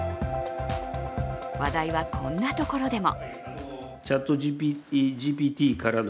話題はこんなところでも。